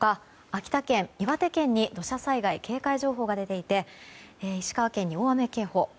秋田県、岩手県に土砂災害警戒情報が出ていて石川県に大雨警報